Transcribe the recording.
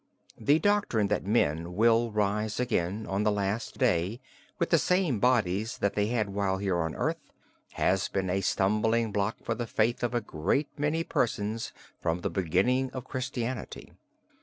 The doctrine that men will rise again on the last day with the same bodies that they had while here on earth, has been a stumbling block for the faith of a great many persons from the beginning of Christianity.